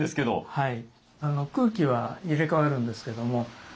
はい。